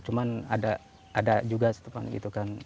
cuman ada juga setempat gitu kan